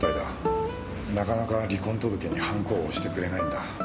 なかなか離婚届にハンコを押してくれないんだ。